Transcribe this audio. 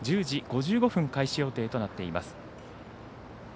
１０時５５分開始予定となっています。